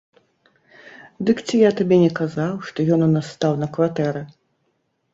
Дык ці я табе не казаў, што ён у нас стаў на кватэры.